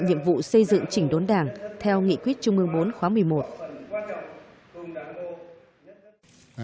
nhiệm vụ xây dựng chỉnh đốn đảng theo nghị quyết chung mương bốn khóa một mươi một